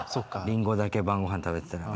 りんごだけ晩ごはん食べてたら。